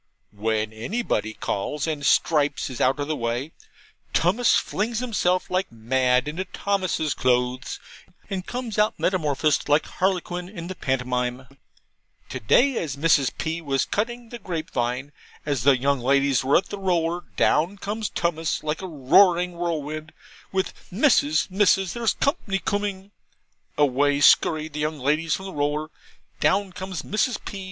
When anybody calls, and Stripes is out of the way, Tummus flings himself like mad into Thomas's clothes, and comes out metamorphosed like Harlequin in the pantomime. To day, as Mrs. P. was cutting the grapevine, as the young ladies were at the roller, down comes Tummus like a roaring whirlwind, with 'Missus, Missus, there's company coomin'!' Away skurry the young ladies from the roller, down comes Mrs. P.